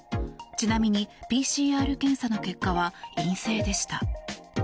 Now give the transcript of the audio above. ちなみにＰＣＲ検査の結果は陰性でした。